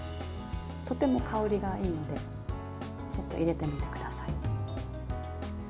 とても香りがいいのでちょっと入れてみてください。